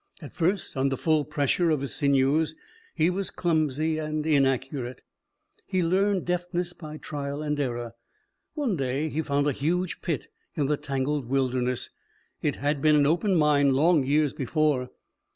At first, under full pressure of his sinews, he was clumsy and inaccurate. He learned deftness by trial and error. One day he found a huge pit in the tangled wilderness. It had been an open mine long years before.